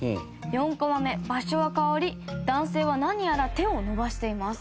４コマ目、場所は変わり男性は、何やら手を伸ばしています。